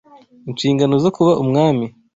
inshingano zo kuba umwami